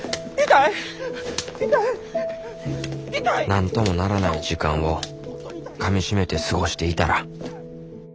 なんともならない時間をかみしめて過ごしていたら。